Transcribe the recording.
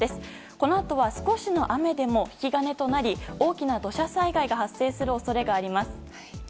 このあとは少しの雨でも引き金となり大きな土砂災害が発生する恐れがあります。